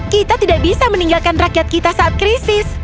kita tidak bisa meninggalkan rakyat kita saat krisis